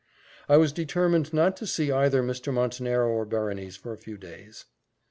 I was determined not to see either Mr. Montenero or Berenice for a few days.